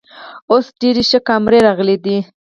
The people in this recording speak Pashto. اوس ډیرې ښې کامرۍ راغلی ده